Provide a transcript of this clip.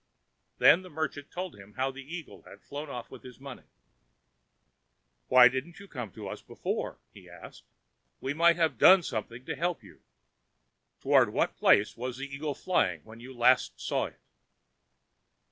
Then the merchant told him how the eagle had flown away with his money. "Why didn't you come to us before?" he asked. "We might have done something to help you. Toward what place was the eagle flying when you last saw it?"